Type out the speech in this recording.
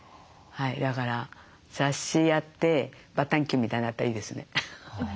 だから雑誌やってバタンキューみたいになったらいいですね。